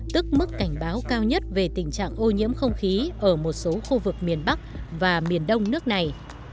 tức mức cảnh báo cao nhất về tình trạng ô nhiễm không khí ở một số khu vực miền bắc và miền đông nước này